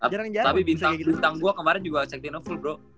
tapi bintang gua kemarin juga saktin full bro